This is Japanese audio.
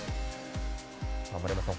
丸山さん